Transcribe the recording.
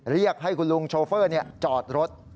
เรียกให้คุณลุงโชเฟอร์จอดรถ